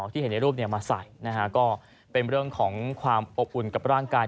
ที่เห็นในรูปมาใส่นะฮะก็เป็นเรื่องของความอบอุ่นกับร่างกาย